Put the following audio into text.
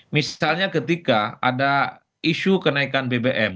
misalnya ketika ada isu kenaikan bbm